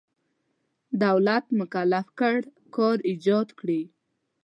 دولت مکلف کړی کار ایجاد کړي.